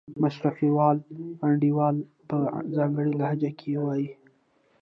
مشرقي وال انډیوال په ځانګړې لهجه کې وایي.